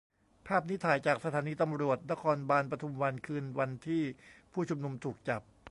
ภาพนี้ถ่ายจากสถานีตำรวจนครบาลปทุมวัน คืนวันที่ผู้ชุมนุมถูกจับ